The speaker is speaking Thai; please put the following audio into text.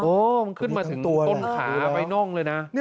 มันขึ้นมาถึงตรงต้นขาไปน่องเลยนะ